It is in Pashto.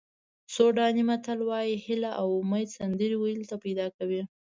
سوډاني متل وایي هیله او امید سندرې ویلو ته پیدا کوي.